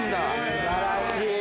素晴らしい。